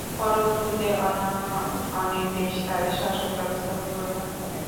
পরবর্তীতে, অন্যান্য অনেক দেশ তাদের শাসন ব্যবস্থা পরিবর্তন করে।